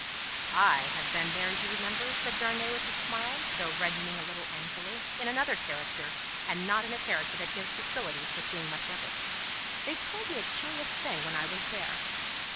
"I have been there, as you remember," said Darnay, with a smile, though reddening a little angrily, "in another character, and not in a character that gives facilities for seeing much of it. They told me a curious thing when I was there."